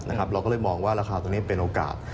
เราก็เลยมองว่าราคาตัวนี้เป็นโอกาส